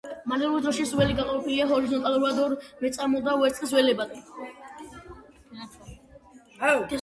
მარნეულის დროშის ველი გაყოფილია ჰორიზონტალურად ორ მეწამულ და ვერცხლის ველებად.